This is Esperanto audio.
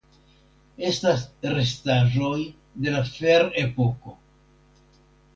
Estas restaĵoj de la Ferepoko.